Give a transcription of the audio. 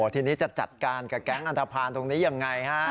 ทีนี้จะจัดการกับแก๊งอันทภาณตรงนี้ยังไงฮะ